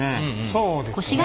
そうですね。